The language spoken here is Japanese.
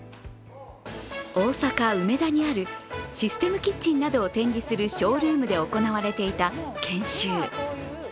大阪・梅田にあるシステムキッチンなどを展示するショールームで行われていた研修。